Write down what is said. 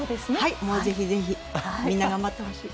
ぜひぜひみんな頑張ってほしい。